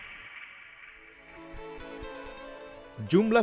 jumlah komodo di pulau padar